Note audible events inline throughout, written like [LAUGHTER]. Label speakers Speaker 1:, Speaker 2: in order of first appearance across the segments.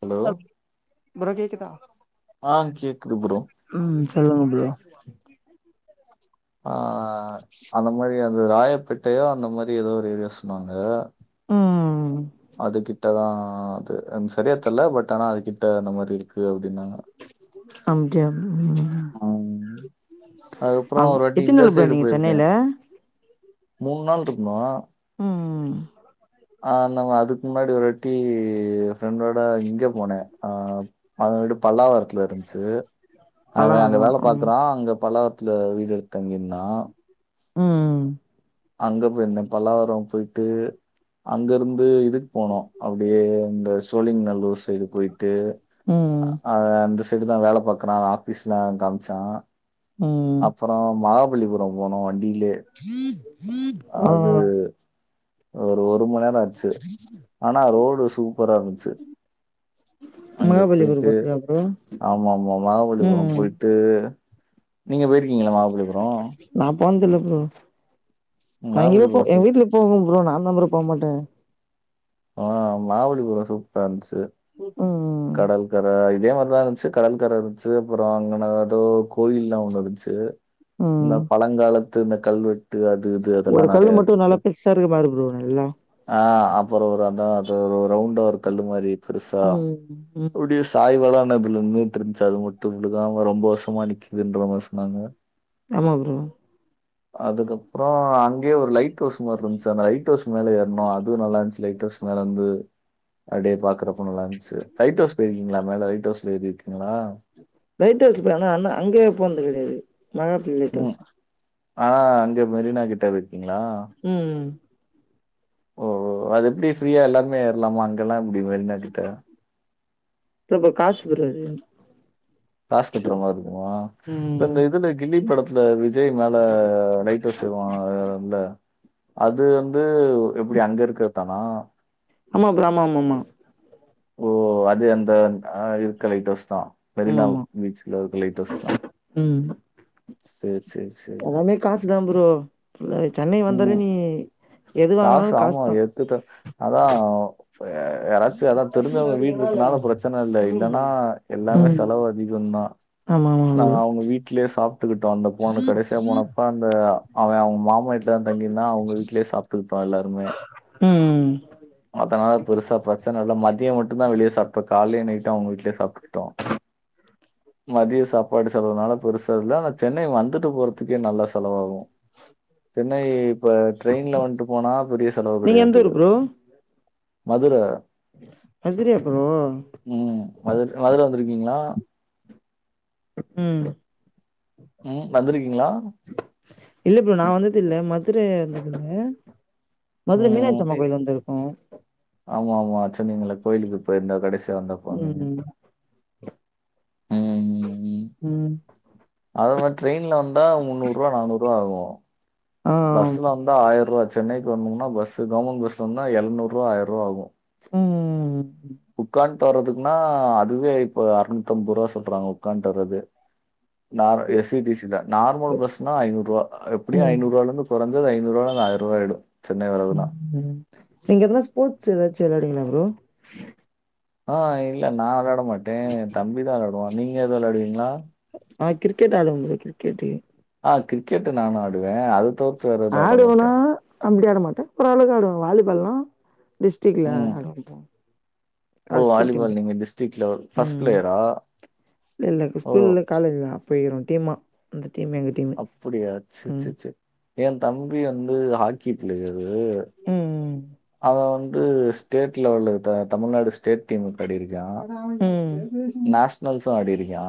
Speaker 1: Hello
Speaker 2: அப் bro கேக்குதா
Speaker 1: ஆ கேக்குது ப்ரோ
Speaker 2: ம் சொல்லுங்க ப்ரோ
Speaker 1: ஆ அந்த மாரி அந்த ராயப்பேட்டையோ அந்த மாரி ஏதோ ஒரு ஏரியா சொன்னாங்க
Speaker 2: ம்
Speaker 1: அது கிட்டதான் அது சரியா தெல்ல பட் ஆனா அது கிட் ட அந்த மாதிரி இருக்கு அப்படின்னாங்
Speaker 2: அப்டியா ம்ம்
Speaker 1: ம் அதுக்கப்றோ
Speaker 2: அ
Speaker 1: ஒரு வாட்டி
Speaker 2: எத்தனை
Speaker 1: இந்த
Speaker 2: நாள் ப்ரோ இருந்தீங்க சென்னையில
Speaker 1: மூணு நாள் இருக்கணும்
Speaker 2: ம்
Speaker 1: ஆ நம அதுக்கு முன்னாடி ஒரு வாட்டி ஃப்ரெண்டோட இங்க போனேன் அ அவன் வீடு பல்லாவரத் துல இருந்துச்சு அவன் அங்க
Speaker 2: பல்லாவரோ
Speaker 1: வேலை
Speaker 2: ம்
Speaker 1: பாக்குறான் அங்க பல்லாரத்துல வீடு எடுத்து தங்கிருந்தான்
Speaker 2: ம்
Speaker 1: அங்க போய் இருந்தேன் பல்லாவாரம் போயிட்டு அங்க இருந்து இது போனோம் அப்படியே இந்த சோழிங்க நல்லூர் சைடு போயிட்டு
Speaker 2: ம்
Speaker 1: அவன் அந்த சைடு தான் வேலை பாக்குறான் ஆபீஸ்லாம் காம்ச்சான்
Speaker 2: ம்
Speaker 1: அப்புறம் மகாபலிபுரம் போனோம் வண்டியிலே
Speaker 2: ஆ
Speaker 1: அது ஒரு ஒரு மணி நேரம் ஆச்சு ஆனா ரோடு சூப்பர இருந்துச்சு அங்க
Speaker 2: மகாபலிபுரம்
Speaker 1: போயிட்டு
Speaker 2: பாத்தியா ப்ரோ
Speaker 1: ஆமா ஆமா மாகாபலிபுரம்
Speaker 2: ம்
Speaker 1: போயிட் டு நீங்க போயிருக்கீங்களா மாகாபலிபுரம்
Speaker 2: நா போனதுல ப்ரோ நா எங்கயே போ
Speaker 1: மகாபலிபுரம்
Speaker 2: எங்க
Speaker 1: சூப்
Speaker 2: வீட்டுல போங்க ப்ரோ நா தா ப்ரோ போ மாட்டே
Speaker 1: ஆனா மாகபலிபுரோ சூப்ரா இருந்ச்சு
Speaker 2: ம் ம்
Speaker 1: கர இதே மார்தா இருந்ச்சு கடல் கர இருந்ச்சு அப்றோ அங்க ஏதோ கோயில்லா ஒன்னு இருந்ச்சு இந்த
Speaker 2: ம்
Speaker 1: பழங்காலத்து இந்த கல்வெ ட்டு அது இது அதல்லா
Speaker 2: ஒரு கல்லு
Speaker 1: நறயா
Speaker 2: மட்டு
Speaker 1: இருந்ச்சு
Speaker 2: நல்லா பெருசா இருக்க பாரு ப்ரோ நல்லா
Speaker 1: ஆ அப்றோ ஒரு அதா அது ரவுண்டா ஒரு கல்லு மாரி பெருசா
Speaker 2: ம் ம்
Speaker 1: அப்டிய [UNINTELLIGIBLE] அது மட்டு விழுக்காம ரொம்ப வருசமா நிக்கிதுன்ற மாரி சொன்னாங்க
Speaker 2: ஆமா ப்ரோ
Speaker 1: அதுக்கப்றோ அங்கயே ஒரு லைட் ஹவுஸ் மாரி இருந்துச்சு அந்த லைட் டவுஸ் மேல ஏறுனோ அது நல்லா இருந்ச்சு லைப் ஸவுஸ் மேலருந்து அப்டியே பாக்றப் போலன்ச்சு லைட் ஹவுஸ் போய்ருக்கீங்களா மேல லைட் ஹவுஸ்ல எறிருக்கீங்ளா
Speaker 2: லைட் ஹவுஸ் போனா அன்னா அங்கயே போனது கெடயாது ம
Speaker 1: ம் ஆனா அங்க மெரினா கிட்ட இருக்கீங்ளா
Speaker 2: ம்
Speaker 1: ஓ ஓ அது எப்டி ஃப்ரீயா எல்லாருமே ஏறலாமா அங்கெல்லா எப்டி மெரினா கிட்ட
Speaker 2: ரொம்ப காசு ப்ரோ அது
Speaker 1: காசு கட்டுறமாருக்குமா
Speaker 2: ம்
Speaker 1: இந்த இதுல கில்லி படத்துல வி ஜய் மேல லைட் ஹவுஸ் ஏறுவங்கல்ல மேல அது வ ந்து எப்டி அங்கருக்கது தானா
Speaker 2: ஆமா ப்ரோ ஆமாமாமா
Speaker 1: ஓ அது அந்த அ இருக்க லைட்அவுஸ் தா
Speaker 2: ஆமா
Speaker 1: மெரினா
Speaker 2: ஆமா
Speaker 1: பீச்சீக்லா இருக்குற லைட் ஸவுஸ்தா
Speaker 2: ம்
Speaker 1: செர் செர் செர்
Speaker 2: எல்லாமே காசுதா ப்ரோ சென்னை வந்தலே
Speaker 1: ம்.
Speaker 2: நீ எது
Speaker 1: காசு
Speaker 2: வாங்குனாலு
Speaker 1: ஆம
Speaker 2: காசுதா
Speaker 1: எக்குத அதா யாராச்சு அதா தெரிஞ்சவங்க வீட்டு இருத்தனால பிரச்சன இல்ல இல்லன்னா எல்லாமே
Speaker 2: ம்
Speaker 1: செலவு அதிகந்தா
Speaker 2: ஆமா ஆமா ப்ரோ
Speaker 1: நாங்க அவங்க வீட்லயே சாப் ட்டுக்குட்டோ அந்த போண்ணு கடசியா போனப்ப அந்த அவ அவங்க மாமா வீட்ல தா தங்கிருந்தா அவங்க வீட்லயே சாப்ப ப்பா எல்லாருமே
Speaker 2: ம்
Speaker 1: அதலா பெருசா பிரச்சன இல்ல மதியோ மட்டு தா வெளிய சாப்டோ காலையு நைட்டு அவங்க வீட்லயே சாப்ட்டுக்குட்டோ மதியோ சாப்பாடு செலவுனால பெருசுல்ல ஆனா சென்னை வந்துட்டு போறதுக்கே நல்லா செலவாகு சென்னை இப்ப டிரெயின்ல வந்ட்டு போனா பெரிய செலவு
Speaker 2: நீங்க எந்த
Speaker 1: கெடையாது
Speaker 2: ஊரு ப்ரோ
Speaker 1: மதுர
Speaker 2: மதுரயா ப்ரோ
Speaker 1: ம் மதுர மதுர வந்திருக்கீங்ளா
Speaker 2: ம்
Speaker 1: ம் வந்திருக்கீங்களா
Speaker 2: இல்ல ப்ரோ நா வந்தது இல்ல மதுர வந்ததில்ல மதுர மீனாட்சி அம்மன் கோயில் வந்துருக்கோ
Speaker 1: ஆமா ஆமா சொன்னீங்கள கோயிலுக்கு போயிருந்த கடைசி
Speaker 2: ம் ம்
Speaker 1: ம்,
Speaker 2: ம்
Speaker 1: அதே மாரி டிரெயின்ல வந்த முன்னூரூவா நானூறுரூவா ஆகு
Speaker 2: ஆ
Speaker 1: பஸ்ல வந்து ஆயிரரூவா சென்னைக்கு வந்தம்னா பஸ் கவர்மெண்ட் பஸ்ல வந்தா எழுநூரூவா ஆயிரரூவா ஆகு
Speaker 2: ம் ம்
Speaker 1: உக்கான் ட்டுவரதுக்குனா அதுவே இப்ப அறுநூத்தம்பது ரூவா சொல்றாங்க உக்கான்ட்டு வர்றதே நார் எஸ் இ டி சில நார்மல் பஸ்னா ஐநூரூவா எப்டியு
Speaker 2: ம்
Speaker 1: ஐநூரூவால கொறஞ்சது ஐநூரூவா இல்ல ஆயிரரூவா ஆயிடு
Speaker 2: ம் ம் நீங்க எதனா ஸ்போர்ட்ஸ் எதாச்சு வெளாடுவீங்களா ப்ரோ
Speaker 1: ஆ இல்ல நா வெளாட மாட்டே ஏ தம்பிதா வெளாடுவா நீங்க எது வெளாடுவீங்களா
Speaker 2: ஆ கிரிக்கெட் ஆடுவே ப்ரோ கிரிக்கெட்டு
Speaker 1: ஆ கிரிக்கெட் நானு ஆடுவே அது தவிர்த்து வேற எதுவும் ஆட
Speaker 2: ஆடுவனா
Speaker 1: மாட்டேன்.
Speaker 2: அப்டி ஆட மாட்டே ஓரளவுக்கு ஆடுவ வாலிபால்லா டிஸ்ட்ரிக்ல
Speaker 1: ம்.
Speaker 2: ஆட [INAUDIBLE]
Speaker 1: ஓ!
Speaker 2: அது ஸ்கூல் டைம்முல
Speaker 1: வாலிபால் நீங்க டிஸ்ட்ரிக்ட் லெவல்
Speaker 2: ம்
Speaker 1: பிளேயரா?
Speaker 2: இல்ல இல்ல
Speaker 1: ஓ!
Speaker 2: ஸ்கூல்ல காலேஜ்ல போயிருகிறோ டீமா அந்த டீம் எங்க டீமு
Speaker 1: அப்டியா செர்
Speaker 2: ம்
Speaker 1: செர் செர் ஏ தம்பி வந்து ஹ க்கி பிளேயரு
Speaker 2: ம்
Speaker 1: அவ வந்து ஸ்டேட் லெவல் தமிழ்நாடு ஸ்டேட் டீம்க்கு ஆடிருக்கா
Speaker 2: ம்
Speaker 1: நேஷ் ஷ்னல்சு ஆடிருக்கா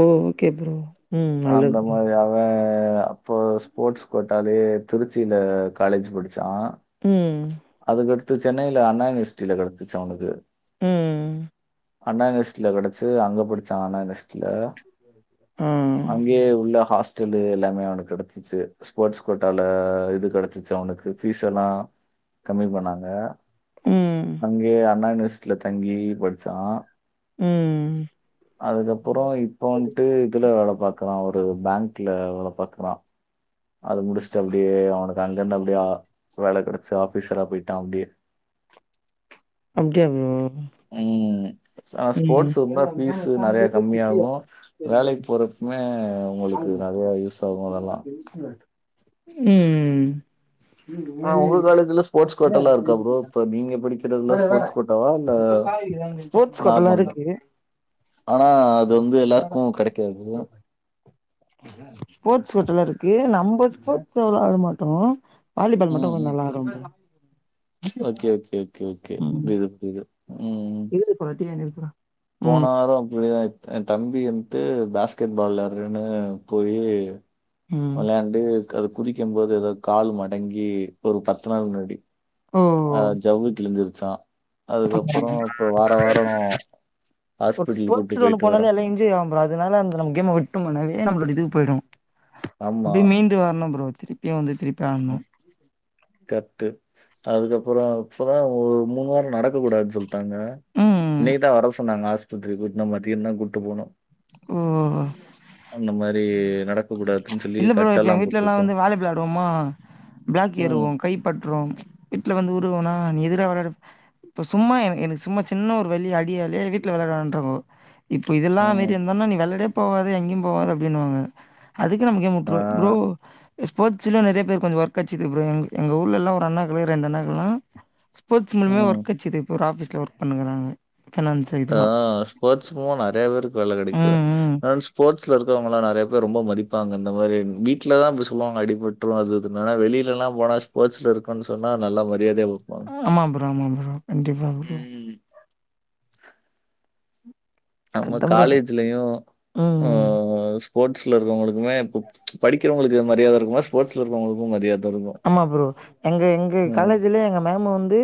Speaker 2: ஓ ஓகே ப்ரோ ம் நல்லது
Speaker 1: அந்த
Speaker 2: ப்ரோ
Speaker 1: மாரி அவ அப்போ ஸ்போர்ட்ஸ் கோட்டாலே திருச்சியில காலேஜ் படிச்சா
Speaker 2: ம்
Speaker 1: அதுக்கடுத்து சென்னையில அண்ணா யுனிவர்சிட்டியில கெடச்சுச்சு அவனுக்கு
Speaker 2: ம்
Speaker 1: அண்ணா யுனிவசிட்டில கெடச்சி அங்க படிச்சா அண்ணா யுனிவசிட்டில
Speaker 2: ம்
Speaker 1: அங்கயே உள்ள ஹாஸ்டல்லு எல்லாமே அவனுக்கு கெடச்சிச்சு ஸ்போர்ட்ஸ் கோட்டால இது கெடச்சிச்சு அவனுக்கு ஃபீஸ் எல்லா கம்மி பண்ணாங்க
Speaker 2: ம்
Speaker 1: அங்கயே அண்ணா யுனிவர்சிட்டில தங்கி படுச்சோ
Speaker 2: ம்
Speaker 1: அதுக்கப்பறோ இப்போ வன்ட்டு இதுல வேல பாக்குறா ஒரு பேங்க்ல வேல பாக்குறா அது முடுஸ்ட்டு அப்டியே அவனுக்கு அங்க இருந்து அப்டியே ஆ வேல கெடச்சு ஆபீசரா பொயிட்டா அப்டியே
Speaker 2: அப்டியா ப்ரோ
Speaker 1: ம் ஆ
Speaker 2: ம்
Speaker 1: ஸ்போர்ட்ஸ் இருந்தா ஃபீஸ் நெறையா கம்மியாகு வேலைக்கு போற க்குமே உங்களுக்கு நெறையா யூஸ் ஆகு அதல்லா
Speaker 2: ம் ம் ம்
Speaker 1: ஆ உங்க காலேஜ்ல ஸ்போர்ட்ஸ் கோட்டால்லா இருக்கா ப்ரோ இப்போ நீங்க படிக்க கிறதுல்லா ஸ்போர்ட்ஸ் கோட்டாவா இல்ல
Speaker 2: ஸ்போர்ட்ஸ் கோட்டாலா
Speaker 1: நார்மல்தா
Speaker 2: இருக்கு
Speaker 1: ஆனா அது வந்து எல்லாருக்கு கெடைக்காது
Speaker 2: ஸ்போர்ட்ஸ் கோட்டால இருக்கு நம்ம ஸ்போர்ட்ஸ் அவலவா ஆட மாட்டோ வாலிபால் மட்டு
Speaker 1: ம்
Speaker 2: கொஞ்சோ
Speaker 1: ம்
Speaker 2: நல்லா ஆடுவே bro
Speaker 1: okay okay okay okay புரியுது புரியுது ம் ம்
Speaker 2: [UNINTELLIGIBLE] என்னைய சொன்னா
Speaker 1: போன வாரோ அப்டிதா ஆயிட் ஏ தம்பி வந்து பாஸ்கெட் ஃபால்ல நின்னு போயி
Speaker 2: ம்
Speaker 1: வெளையாண்ட் ட்டு அதுக் குதிக்கம் போது எதோ கால் மடங்கி ஒரு பத்து நாள் முன்னாடி
Speaker 2: ஓ
Speaker 1: ஆ ஜவ்வு கிழிஞ்சுருச்சா அதுக்கப்பறோ இப்போ வார வாரோ ஹாஸ்பிட்டலு கூட்டு பொயிட்டு வரே
Speaker 2: இல்ல இஞ்சுரி ஆகு ப்ரோ அதுனால அந்த நம்ம கேம்ம விட்டம்னாலை நம்மளோட இது போய்டும்
Speaker 1: ஆமா.
Speaker 2: அப்டியே மீண்ட் ண்டு வர்ணு ப்ரோ திருப்பியு வந்து திருப்பியு ஆட்ணு
Speaker 1: கட்டு சோ அதுக்கப்பறோ இப்பதா ஒரு மூணு வாரோ நடக்கக் கூடாதுனு சொல்ட்டு டாங்க
Speaker 2: ம்
Speaker 1: இன்னைக்குதா வர சொன்னாங்க ஆஸ்பத்திரிக்கு இன்னு மதியந்தா கூப்ட்டு போணு
Speaker 2: ஓ ஓ செ
Speaker 1: முன்ன மாரி நடக்
Speaker 2: இல்ல ப்ரோ இப்போ எங்க வீட்லெல்லா வந்து [UNINTELLIGIBLE] விளாடுவோமா ப்ளாக்
Speaker 1: ம்.
Speaker 2: ஏறுவோ கை பட்ரும் வீட்ல வந்து உருவனா நீ எதுடா வெளாடுவ இப்ப சும்மா எனக்கு எனக் சும்மா சின்ன ஒரு வலி அடியாலே வீட்ல விளையாட்றாங்கன்ற ப்ரோ இப்போ இதெல்லா மார்
Speaker 1: ம்.
Speaker 2: இருந்தன்னா நீ வெளையாடே போவாத எங்கேயு போவாத அப்டின்வாங்க க்கு நம்ம கேமு
Speaker 1: ஆ.
Speaker 2: ப்ரோ ப்ரோ ஸ்போர்டஸ் ச்சுல நெறைய பேர்க்கு கொஞ்சோ ஒர்க் கெட்சுது ப்ரோ எங்க எங்க ஊர்லெல்லா ஒரு அண்ணாக்கே ரெண்டு அண்ணாக்குலா ஸ்போர்ட்ஸ் மன்வே
Speaker 1: ம்.
Speaker 2: ஒர்க் கெடச்சுது இப்ப ஒரு ஆஃபீஸில ஒர்க் பண்ணுக்குறாங்க ஃபினான்ஸ்
Speaker 1: ஆ
Speaker 2: இதுவா
Speaker 1: ஸ்போர்ட்ஸ்க்கு நெறைய பேருக்கு வேல கெடைக்கு
Speaker 2: ம் ம்
Speaker 1: ஸ்போர்ட்ஸ்ல இருக்குறவுங்களா நெறையா பேர் ரொம்ப மதிப்பாங்க இந்த மாரி வீட்ல தா இப்டி சொல்வாங்க அடிப்பட் ரு அது இதுன்னு ஆனா வெளிலெல்லா போனா ஸ்போர்ட்ஸ்ல இருக்கோன் சொன்னா நல்லா மரியாதையாவு
Speaker 2: ம் ஆமா ப்ரோ ஆமா ப்ரோ கண்டிப்பா ப்ரோ
Speaker 1: ம். நம்ம
Speaker 2: அதா ப்ரோ
Speaker 1: காலேஜ்லயு ம் ஸ்போர்ட்ஸ்ல இருக்கவுங்களுக் க்குமே இப்ப படிக்கிறவளுக்கு மரியாத இருக்குமா ஸ்போர்ட்ஸ்ல இருக்கவங்களுக்கு மரியாத
Speaker 2: ஆமா ப்ரோ எங்க எங்க காலேஜுலே எங்க மேம்ம வந்து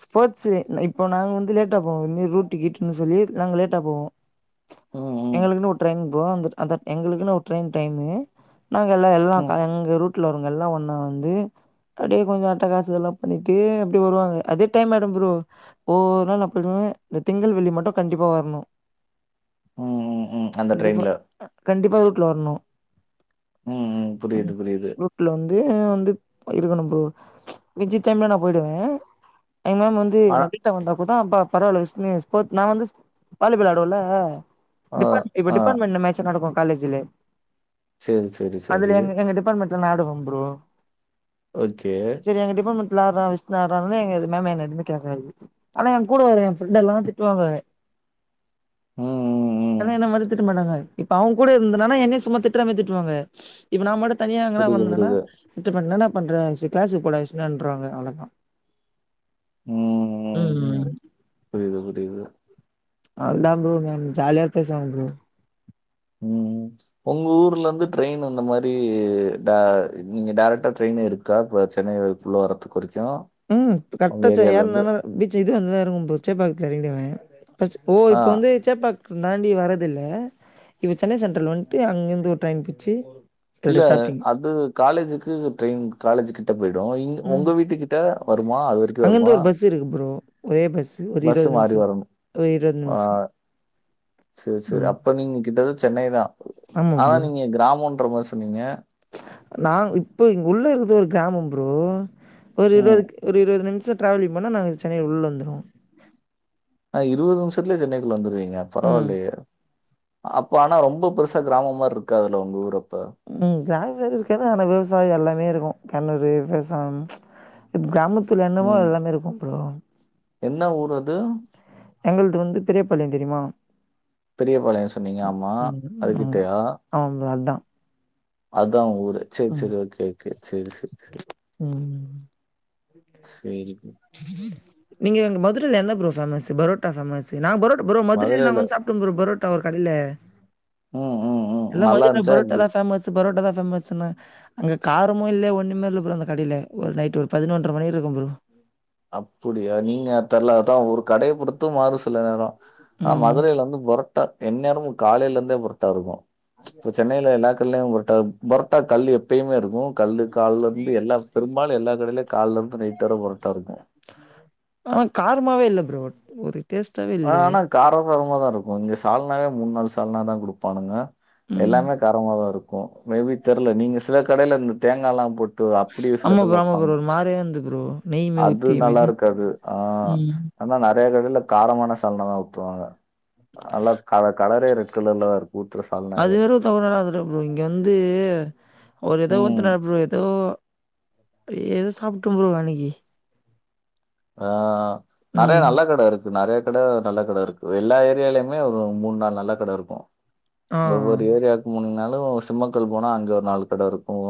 Speaker 2: ஸ்போர்ட்ஸ்ஸு இப்போ நாங்க வந்து லேட்டா போவோ இந்த மாரி ரூட்டு கீட்டுன்னு சொல்லி நாங்க லேட்டா போவோ
Speaker 1: ம், ம்,
Speaker 2: எங்களுக்குனு ஒரு ட்ரெயின் ப்ரோ அந்த தட் அத எங்களுக்குன்னு ஒரு ட்ரெயின் டைமு நாங்க எல்லா எல்லா
Speaker 1: ம்,
Speaker 2: பே எங்க ரூட்ல வரவுங்க எல்லா ஒன்னா வந்து அப்டியே கொஞ்சோ அட்டகாசோ இதெல்லா பண்ணிட்டு அப்டி வருவாங்க அதே டைம் ஆய்டு ப்ரோ ஒவ்வொரு நாள் நா போய்டுவே இந்த திங்கள் வெள்ளி மட்டு கண்டிப்பா வர்ணு
Speaker 1: ம், ம், ம். அந்த
Speaker 2: கண்டிப்பா
Speaker 1: ட்ரெயின்ல.
Speaker 2: கண்டிப்பா ரூட்ல வரணு
Speaker 1: ம் ம் புரியுது புரியுது
Speaker 2: ரூட்ல வந்து வந்து இருக்கணும் பரோ மிச்சி டைம்ல நா போய்டுவே எங்க மேம் வந் த்து
Speaker 1: ஆனா
Speaker 2: நா வீட்ட வந்த அப்பதா அப்ப பரவால்ல விஷ்ணு ஸ்பேட் நா வந்து வாலிஃபால் ஆயிடுவேல
Speaker 1: ஆ,
Speaker 2: டிபார்ட் இப்ப
Speaker 1: ஆ.
Speaker 2: டிபார்ட்மெண்ட் மேட்ச் நடக்கு காலேஜ்லே
Speaker 1: சரி, சரி, சரி.
Speaker 2: அதுல எங் எங்க டிபார்ட்மெண்ட் த்து நடக்கு ப்ரோ
Speaker 1: ஓகே
Speaker 2: செரி எங்க டிபார்ட்மெண்ட்ல ஆட்றா விஷ்ணு ஆட்றானே எங்க இது மேம் என்ன எதுவுமே கேக்காது ஆனா ஏ கூட வர எ பிரெண்ட்டெல்லா திட்டுவாங்க
Speaker 1: ம், ம், ம்.
Speaker 2: ஆனா என்ன மட்டு திட் ட்ட மாட்டாங்க இப்ப அவுங்க கூட இருந்தன்னா என்னயு சும்மா திட்ற மாரி திட்டுவாங்க இப்ப நாம மட்டு தனியா என்னடா
Speaker 1: புரியுது,
Speaker 2: பண்றனா
Speaker 1: புரியுது.
Speaker 2: [UNINTELLIGIBLE] இப்ப என்னடா பண்றா விஷ்ணு க்ளாஸ்க்கு போடா விஷ்ணுன்றுவாங்க அவ்ளோதா ம் ம்
Speaker 1: புரியுது புரியுது
Speaker 2: அவ்ள்தா ப்ரோ மேம் ஜாலியா பேசுவாங்க ப்ரோ
Speaker 1: ம். உங்க ஊர்ல இருந்து ட்ரெயின் அந்த மாரி டே நீங்க டேரெக்டா ட்ரெயின் இருக்கா இப்ப சென்னை வரைக் உள்ள வரத்து குறிக்கு
Speaker 2: ம் கரெட்டாச்சே ஏர்னாலு பீச்சு இக்குது வந்து இறங்கும் ப்ரோ சேபீபாக்கத்துல எறங்கிடுவே பஸ்ட்டு ஓ
Speaker 1: ஆ.
Speaker 2: இப்போ வந்து சேப்பாக்கோ தாண்டி வரதுல்ல இப்ப சென்னை சென்ட்ரல் வன்ட்டு அங்கேருந்து ஒரு ட்ரெயின் புட்ச்சு
Speaker 1: இல்ல அது காலேஜுக்கு ட்ரெயின் காலேஜ்கிட்ட போய்டு இங்
Speaker 2: ம்
Speaker 1: உங்க வீட்டு கிட்ட வருமா அது வரைக்கு
Speaker 2: அங்கேருந்து
Speaker 1: வருமா
Speaker 2: ஒரு பஸ் இருக்கு ப்ரோ ஒரே பஸ் ஒரு
Speaker 1: பஸ்
Speaker 2: இருபது
Speaker 1: மாறி
Speaker 2: நிமிஷம்
Speaker 1: வரணு
Speaker 2: ஒரு இருபது
Speaker 1: ஆ
Speaker 2: நிமிஷம்
Speaker 1: செரி செரி
Speaker 2: ம்
Speaker 1: அப்ப நீங்க கிட்டது சென்னை தா
Speaker 2: ஆமா
Speaker 1: ஆனா நீங்க கிராமோன்ற மாரி சொன்னீங்க
Speaker 2: நா இப்போ உள்ள இருக்குறது ஒரு கிராமம் ப்ரோ ஒரு
Speaker 1: ம்.
Speaker 2: இருவது ஒரு இருவது நிம்ஷோ ட்ரவலிங் பண்ணா நாங்க சென்னை உள்ள இருந்துருவோ
Speaker 1: ஆ இருவது நிம்ஷத்துலயே சென்னைக்குள்ள வந்துருவீங்க
Speaker 2: ம்
Speaker 1: பரவாயில்லையே அப்ப ஆனா ரொம்ப பெருசா கிராமம் மார் இருக்காதுல்ல உங்க ஊரு அப்ப
Speaker 2: ம் கிராம மாரி இருக்காது ஆனா விவசாயோ எல்லாமே இருக்கு கெணறு விவசாம் இப் கிராமத்துல என்னவோ
Speaker 1: ம்.
Speaker 2: அதுதா மார் இருக்கு ப்ரோ
Speaker 1: என்ன ஊர் அது
Speaker 2: எங்கள்து வந்து பெரியபாளையோ தெரியுமா
Speaker 1: பெரியபாளையோ சொன்னீங்க
Speaker 2: ம்
Speaker 1: ஆமா
Speaker 2: ம். நாங்க.
Speaker 1: அதுகிட்டயா
Speaker 2: ஆமா ப்ரோ அதா
Speaker 1: அதா உங்க ஊரு செரி செரி ஓகே ஓகே செரி செரி
Speaker 2: ம்.
Speaker 1: சேரி
Speaker 2: நீங்க அங்க மதுரையில என்ன ப்ரோ ஃபேமஸு பரோட்டா ஃபேமஸு நாங்க புரோட்டா ப்ரோ மதுரையில நாங்க வந்து சாப் சாப்டோ ப்ரோ பரோட்டா ஓரு கடையில
Speaker 1: ம் ம் ம்.
Speaker 2: எல்லா
Speaker 1: நல்லா
Speaker 2: [UNINTELLIGIBLE]
Speaker 1: இருந்துச்சா
Speaker 2: பரோட்டா
Speaker 1: எப்டி?
Speaker 2: தா பேமஸு பரோட்டாதா பேமஸுன்னாங்க அங்க காரமு இல்ல ஒன்னுமே இல்ல ப்ரோ அந்த கடையில ஒரு நைட் ஒரு பதினொன்றர மணி இருக்கும் ப்ரோ
Speaker 1: அப்புடியா நீங்க தெர்லா அதா ஒரு கடைய பொறுத்து மாறு சில நேரோ ஆ
Speaker 2: ம்.
Speaker 1: மதுரையில இருந்து புரோட்டா எந்நேரமு காலையில இருந்தே புரோட்டா இருக்கு இப்ப சென்னைல எல்லாக் ங்க புரோட்டா புரோட்டா கல்லு எப்பயுமே இருக்கும் கல்லு கால்ல இருந்து எல்லா பெரும்பாலும் எல்லா கடையிலயு கால்லா இருந்து நைட் வரை புரோட்டா இருக்கும்
Speaker 2: ஆ காரமாவே இல்ல ப்ரோ ஒரு டேஸ்ட்டாவே
Speaker 1: ஆ
Speaker 2: இல்லயே!
Speaker 1: ஆனா கார சாரமா தா இருக்கும் இங்க சால்னாவே மூன் நாலு சால்னா தா குடுப்பானுங்க
Speaker 2: ம்.
Speaker 1: எல்லாமே காரமாதா இருக்கும் மேபி தெர்ல நீங்க சில கடையில இந்த தேங்கா எல்லா போட்டு அப்படியே சில
Speaker 2: ஆமா ப்ரோ
Speaker 1: கடையில
Speaker 2: ஆமா
Speaker 1: வப்பாங்க.
Speaker 2: ப்ரோ ஒரு மாறியா இருந்தது ப்ரோ நெய்யுமே
Speaker 1: அது
Speaker 2: ஊத்தி
Speaker 1: நல்லா
Speaker 2: மேஜி
Speaker 1: இருக்காது ஆ
Speaker 2: ம்.
Speaker 1: ஆனா நறைய கடையில காரமான சால்னாதா ஊத்துவாங்க நல்லா க கலரே ரெட்க்கலர்ல தா இருக்கு ஊத்தற சால்
Speaker 2: அது வெறும் தவறானது எல்லா இல்ல ப்ரோ இங்க வந்து ஒரு ஏதோ
Speaker 1: ம்.
Speaker 2: ஊத்துனா ப்ரோ ஏதோ ஏதோ சாப்ட ப்ரோ அன்னைக்கி
Speaker 1: ஆ நிறைய
Speaker 2: ம்
Speaker 1: நல்ல கடை இருக் நறைய கடை நல்ல கடை இருக்கு எல்லா ஏரியாலயுமே ஒரு மூன் நாலு நல்ல கடை இருக்கும்
Speaker 2: ஆ
Speaker 1: ஒவ்வொரு ஏரியாக்கு முனுங ஒவ்வொரு ஏரியாக்கும் போனினாலு சிம்மக்கல் போனா அங்க ஒரு நாலு கடை இருக்கும்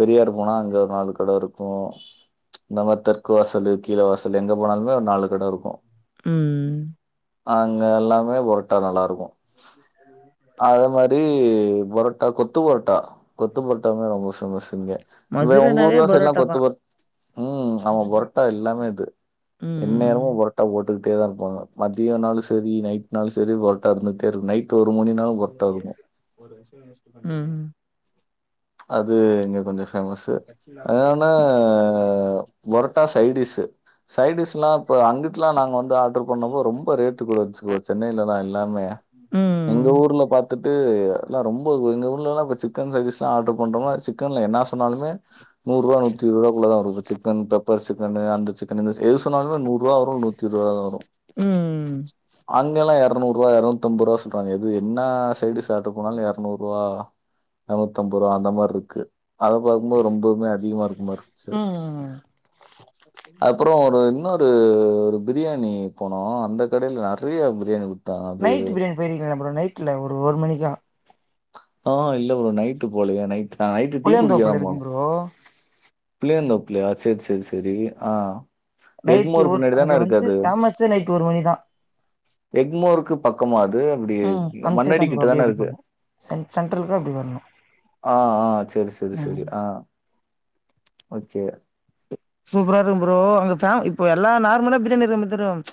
Speaker 1: பெரியார் போனா அங்க நாலு கடை இருக்கும் இந்த மாறி தெற்கு வாசலு கீழ வாசல் எங்க போனாலுமே ஒரு நாலு கடை இருக்கும்
Speaker 2: ம்
Speaker 1: அங்க எல்லாமே பரோட்டா நல்லா இருக்கும் அதே மாறி றி பரோட்டா கொத்து பரோட்டா கொத்து பரோட்டா தா ரொம்ப பேமஸ் இங்க இல்ல உங்க
Speaker 2: மதுரனாவே
Speaker 1: ஊர்ல சைட் எல்லா
Speaker 2: பரோட்டா தா
Speaker 1: கொத்து புரோ உம் ஆமா பரோட்டா இல் எப்பமே இது
Speaker 2: ம்
Speaker 1: எந்நேரமு பரோட்டா போட்டுக்கிட்டே தா இருப்பாங்க மதியனாலும் சரி நைட்னாலும் சரி பரோட்டா இருந்து கிட்டே இருக்கு நைட் டு ஒரு மணி னா
Speaker 2: [INAUDIBLE] உம்
Speaker 1: அது இங்க கொஞ்சோ ஃபேமஸ்சு இன்னொன்னு புரட்டா சைடிஸ்சு சைட்டிஷ் எல்லா இப்ப அங்கிட்டுலா நாங்க வந்து ஆர்டர் பண்ணப்போ ரொம்ப ரேட்டு கூட இருன்சிகோ சென்னைல்லா எல்லாமே எங்க
Speaker 2: ம்
Speaker 1: ஊர்ல பாத்துட்டு எல்லா ரொம்ப எங்க ஊர்ல்லா இப்ப சிக்கன் ரைஸ்ல்லா ஆர்டர் பண்றம்னா சிக் கன்ல என்னா சொன்னாலுமே நூற்ரூபா நூத்தி இருவது ரூபாகுள்ள தா வரும் சிக்கன் பெப்பர் சிக்கனு அந்த சிக் கனு எது சொன்னாலுமே நூற் ரூவா வரும் நூத்தி இருவது ரூவா தா வரும்
Speaker 2: ம்
Speaker 1: அங்கல்லா இரநூற் ரூவா இருநூத்தி அம்பது ரூபா சொல்றாங்க எது என்னா சைடிஸ் ஆர்டர் பண்ணாலு. இரநூற் ரூவா நூத்தம்பது ரூவா அந்த மாறி இருக்கு அதை பாக்கும் போது ரொம்பவுமே அதிகமா இருக்க மாறி இருன்ச்சு
Speaker 2: ம்
Speaker 1: அப்பறோ ஒரு இன்னொரு ஒரு பிரியாணி போனோ அந்த கடையில நறைய பிரியாணி குடுத்
Speaker 2: நைட் பிரியாணி போயிருங்கீங்ளா ப்ரோ நைட்ல ஒரு மணிக்கா
Speaker 1: அ இல்ல ப்ரோ நைட்டு போலையே நைட் நைட்டு டீ குடிக்கதா
Speaker 2: புளியாந்தோப்புல
Speaker 1: போனோ
Speaker 2: இருக்கும் ப்ரோ
Speaker 1: புளியந்தோப்புலயா சேர் சேர் சரி ஆ
Speaker 2: நைட்
Speaker 1: எக்மோர்
Speaker 2: ஓர்
Speaker 1: பின்னாடி
Speaker 2: அங்க
Speaker 1: தான இருக்கு
Speaker 2: வந்து
Speaker 1: அது.
Speaker 2: பேமஸே நைட்டு ஒரு மணிதா
Speaker 1: எக்மோருக்கு பக்கமா அது எப்டி
Speaker 2: ம் அந்த சைடு தா
Speaker 1: மண்ணடி
Speaker 2: ப்ரோ அப்டியே
Speaker 1: கிட்டதானே
Speaker 2: இப்டி
Speaker 1: இருக்கு
Speaker 2: போணு சென் சென்டரல்க்கா அப்டி வரணு
Speaker 1: ஆ ஆ சரி சரி சரி
Speaker 2: ம்
Speaker 1: ஆ ஓக்கே
Speaker 2: சூப்பரா இருக்கும் ப்ரோ அங்க பே இப்ப எல்லா நார்மலா பிரியாணி இருக்க மாறிதா இருக்கும்